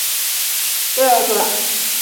爆炸当场炸死一名儿童和一名保安。